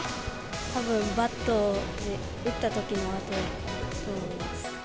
たぶん、バットで打ったときの跡だと思います。